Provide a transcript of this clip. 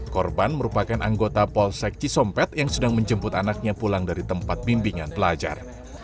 korban merupakan anggota polsek cisompet yang sedang menjemput anaknya pulang dari tempat bimbingan pelajar